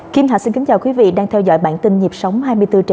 kim hạ xin kính chào quý vị đang theo dõi bản tin nhịp sóng hai mươi bốn h bảy